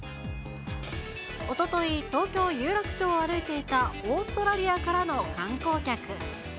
おととい、東京・有楽町を歩いていたオーストラリアからの観光客。